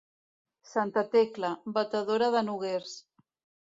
Santa Tecla, batedora de noguers.